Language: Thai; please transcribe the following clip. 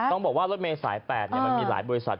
ต้องบอกว่ารถเมย์สาย๘มันมีหลายบริษัท